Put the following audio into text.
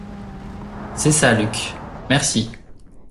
C’est ça, Luc ! merci.